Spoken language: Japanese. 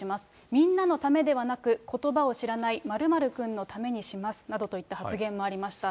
みんなのためではなく、ことばを知らない○○君のためにしますなどといった発言もありました。